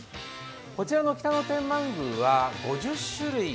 こちらの北野天満宮は５０種類